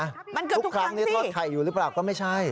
มันเกิดทุกครั้งสิทุกครั้งนี่ทอดไข่อยู่หรือเปล่าก็ไม่ใช่